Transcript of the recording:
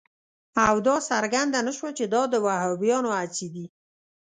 او دا څرګنده نه شوه چې دا د وهابیانو هڅې دي.